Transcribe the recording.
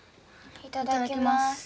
いただきます。